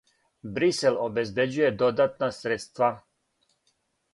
Брисел обезбеђује додатна средства.